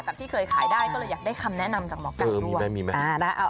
ที่เคยขายได้ก็เลยอยากได้คำแนะนำจากหมอไก่ด้วยไหม